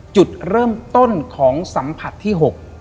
จุดเริ่มต้นของสัมผัสที่๖